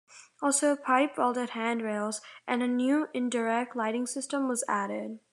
Also, pipe welded hand rails, and a new indirect lighting system was added.